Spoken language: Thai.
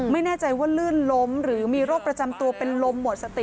ไม่แน่ใจว่าลื่นล้มหรือมีโรคประจำตัวเป็นลมหมดสติ